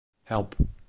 Help.